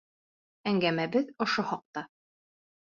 Әңгәмәбеҙ ошо хаҡта.